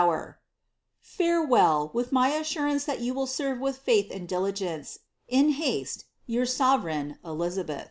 S41 * Farewell, with 1117 aataranoe that you will serve with fhith and diligenoa. la haste, Your sovereign, *' Elizabsth.